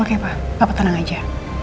oke pa papa tenang aja